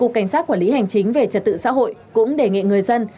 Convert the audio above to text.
cục cảnh sát quản lý hành chính về trật tự xã hội cũng đề nghị người dân